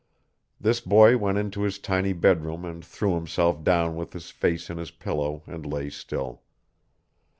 This boy went into his tiny bedroom and threw himself down with his face in his pillow and lay still.